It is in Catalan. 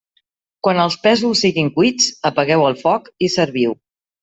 Quan els pèsols siguin cuits, apagueu el foc i serviu.